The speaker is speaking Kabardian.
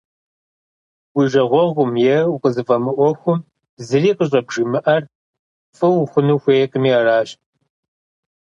Уи жагъуэгъум, е укъызыфӀэмыӀуэхум зыри къыщӀыбжимыӀэр, фӀы ухъуну хуейкъыми аращ.